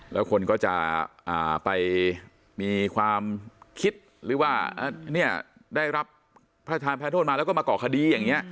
แล้วคนก็จะไปมีความคิดหรือว่าได้รับพระทานแพ้โทษมาแล้วก็มาก่อคดีอย่างนี้